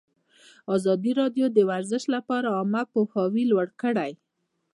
ازادي راډیو د ورزش لپاره عامه پوهاوي لوړ کړی.